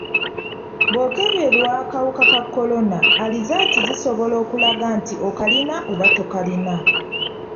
Bw'okeberwa akawuka ka kolona alizaati zisobola okulaga nti okalina oba tokalina.